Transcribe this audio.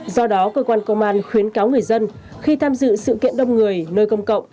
do đó cơ quan công an khuyến cáo người dân khi tham dự sự kiện đông người nơi công cộng